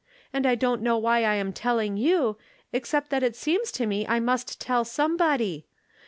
And I don't know why I am telling you, except that it seems to me I must tell somebody.